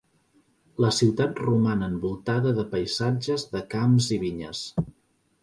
La ciutat roman envoltada de paisatges de camps i vinyes.